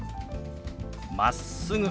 「まっすぐ」。